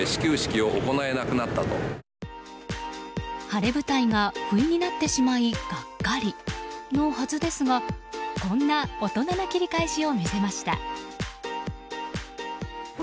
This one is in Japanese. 晴れ舞台がふいになってしまいがっかりのはずですが、こんな大人な切り返しを見せました。